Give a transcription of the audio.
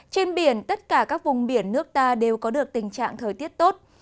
trên biển tất cả các vùng biển nước ta đều có được tình trạng thời tiết tốt